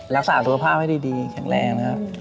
รักษาสุขภาพให้ดีแข็งแรงนะครับ